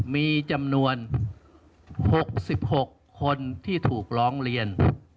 มีจำนวน๖๖คนที่ถูกร้องเรียน